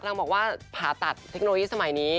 นางบอกว่าผ่าตัดเทคโนโลยีสมัยนี้